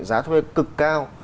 giá thuê cực cao